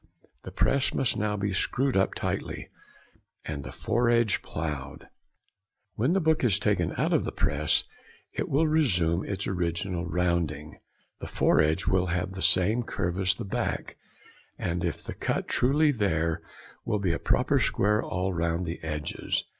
The press must now be screwed up tightly, and the foredge ploughed; when the book is taken out of the press it will resume its original rounding, the foredge will have the same curve as the back, and if cut truly there will be a proper square all round the edges.